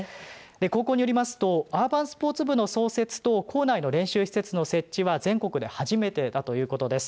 高校によりますとアーバンスポーツ部の創設と校内の練習施設の設置は全国で初めてだということです。